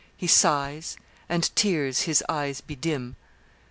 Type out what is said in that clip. He sighs, and tears his eyes bedim.